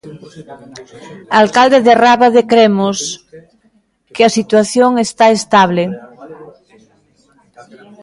Alcalde de Rábade Cremos que a situación está estable.